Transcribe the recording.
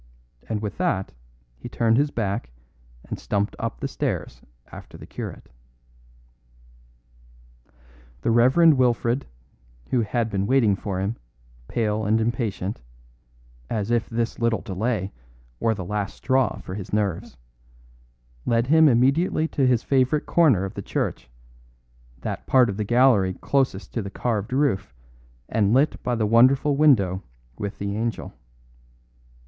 And with that he turned his back and stumped up the steps after the curate. The Reverend Wilfred, who had been waiting for him, pale and impatient, as if this little delay were the last straw for his nerves, led him immediately to his favourite corner of the church, that part of the gallery closest to the carved roof and lit by the wonderful window with the angel.